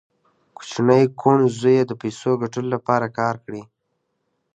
کوچني کوڼ زوی یې د پیسو ګټلو لپاره کار کړی